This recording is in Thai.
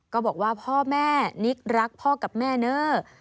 ก็บอกว่าพ่อแม่นิกรักพ่อกับแม่เนอะ